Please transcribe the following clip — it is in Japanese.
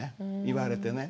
言われてね。